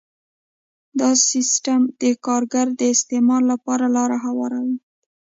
دا سیستم د کارګر د استثمار لپاره لاره هواروي